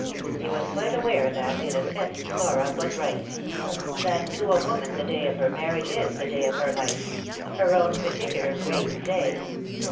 He was quite aware that, in a sense, Laura was right ; that to a woman the day of her marriage is the day of her life j her own particular great day.